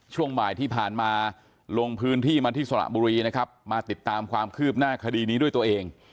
ช่วงบ่ายที่ผ่านมาลงพื้นที่มาที่สระบุรีนะครับมาติดตามความคืบหน้าคดีนี้ด้วยตัวเอง